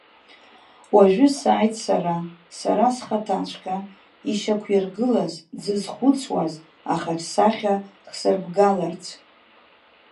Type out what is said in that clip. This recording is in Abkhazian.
Уажәы сааит сара, сара схаҭаҵәҟьа, ишьақәиргылаз, дзызхәыцуаз ахаҿсахьа хсырбгаларц.